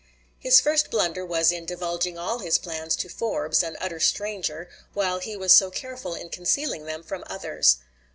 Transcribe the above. His first blunder was in divulging all his plans to Forbes, an utter stranger, while he was so careful in concealing them from others.